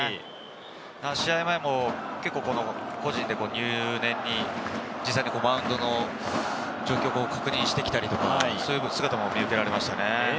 試合前も、個人で入念にマウンドの状況を確認したりとか、そういう姿も見受けられました。